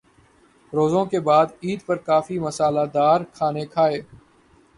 روزوں کے بعد عید پر کافی مصالحہ دار کھانے کھائے۔